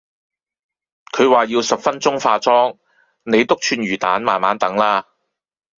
佢話要十分鐘化妝，你篤串魚旦慢慢等啦